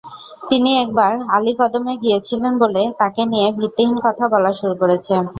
তিনি একবার আলীকদমে গিয়েছিলেন বলে তাঁকে নিয়ে ভিত্তিহীন কথা বলা শুরু করেছে।